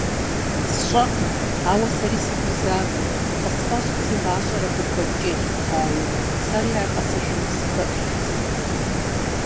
СщӀэркъым, ауэ сэри сыгузавэрт, къысфӀэщӀырт си гъащӀэр абы куэдкӀэ елъытауи, сэри ар къэсыжыным сыпэплъэрт.